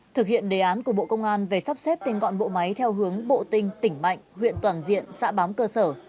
thực hiện đề án của bộ công an về sắp xếp tinh gọn bộ máy theo hướng bộ tinh tỉnh mạnh huyện toàn diện xã bám cơ sở